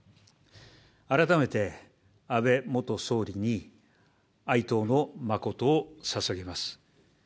改めて、安倍元総理に哀悼の誠をささげます。